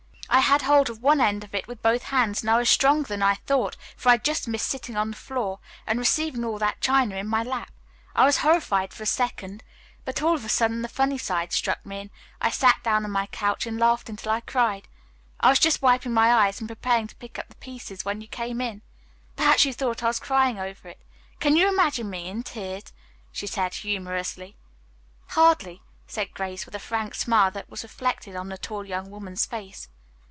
I had hold of one end of it with both hands, and I was stronger than I thought, for I just missed sitting on the floor and receiving all that china in my lap. I was horrified for a second, but all of a sudden the funny side of it struck me, and I sat down on my couch and laughed until I cried. I was just wiping my eyes and preparing to pick up the pieces when you came in. Perhaps you thought I was crying over it. Can you imagine me in tears?" she added humorously. "Hardly," said Grace with a frank smile that was reflected on the tall young woman's face.